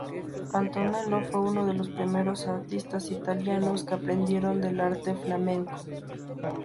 Antonello fue uno de los primeros artistas italianos que aprendieron del arte flamenco.